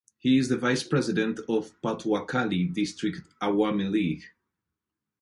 He is the vice president of Patuakhali district Awami League.